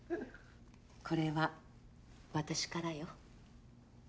これは私からよ。